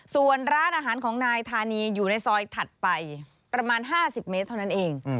ส่วนร้านอาหารของนายธานีอยู่ในซอยถัดไปประมาณ๕๐เมตรเท่านั้นเอง